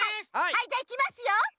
はいじゃあいきますよ！